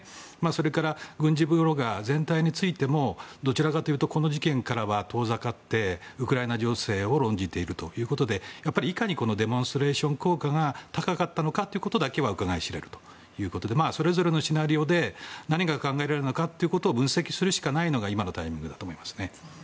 それから軍事ブロガー全体についてもどちらかというとこの事件からは遠ざかってウクライナ情勢を論じているということでいかにこのデモンストレーション効果が高かったのかということだけはうかがい知れるということでそれぞれのシナリオで何が考えられるのかを分析するしかないのが今のタイミングだと思います。